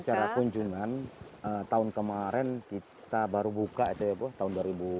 acara kunjungan tahun kemarin kita baru buka itu ya bu tahun dua ribu dua